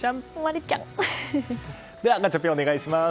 ガチャピン、お願いします。